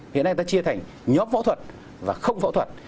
hiện nay ta chia thành nhóm phẫu thuật và không phẫu thuật